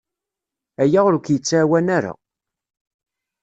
Aya ur k-yettɛawan ara.